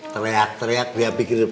teriak teriak dia pikirin